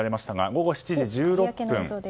午後７時１６分。